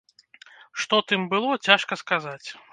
Што тым было, цяжка сказаць.